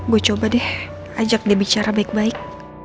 gue coba deh ajak dia bicara baik baik